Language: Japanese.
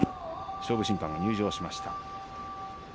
勝負審判が入場しました。